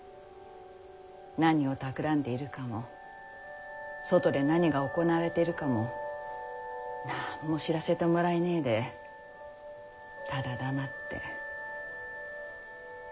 何をたくらんでいるかも外で何が行われているかも何も知らせてもらえねぇでただ黙って。